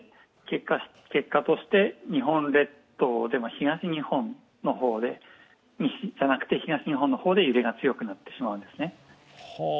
結果として、日本列島東日本の方、西じゃなくて東日本の方で揺れが激しくなってしまうんです。